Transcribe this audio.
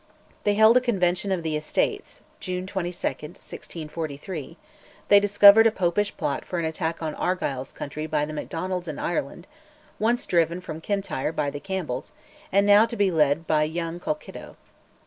They held a Convention of the Estates (June 22, 1643); they discovered a Popish plot for an attack on Argyll's country by the Macdonalds in Ireland, once driven from Kintyre by the Campbells, and now to be led by young Colkitto.